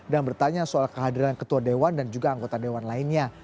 dan bertanya soal kehadiran ketua dewan dan juga anggota dewan lainnya